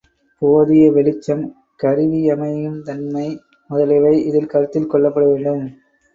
போதிய வெளிச்சம், கருவியமையுந் தன்மை முதலியவை இதில் கருத்தில் கொள்ளப்பட வேண்டும்.